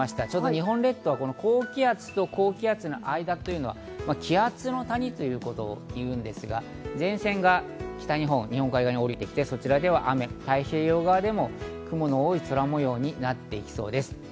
日本列島は高気圧と高気圧の間というのは気圧の谷というんですが、前線が北日本、日本海側に降りてきて、そちらでは雨、太平洋側でも雲の多い空模様になっていきそうです。